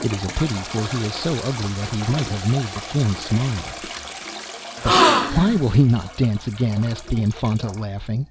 It is a pity, for he is so ugly that he might have made the King smile.' 'But why will he not dance again?' asked the Infanta, laughing.